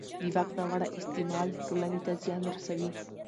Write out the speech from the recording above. د واک ناوړه استعمال ټولنې ته زیان رسوي